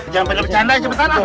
jangan pake bercanda cepetan